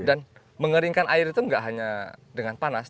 dan mengeringkan air itu enggak hanya dengan panas